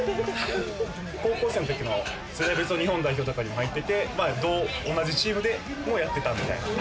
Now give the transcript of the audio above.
高校生の時も世代別の日本代表とかに入ってて、同じチームでもやってたみたいな。